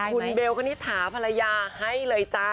คุณเบลคณิตถาภรรยาให้เลยจ้า